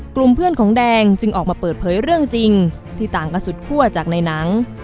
กลุ่มเพื่อนของแดงจึงออกมาเปิดเผยเรื่องจริงที่ต่างกันสุดคั่วจากในหนัง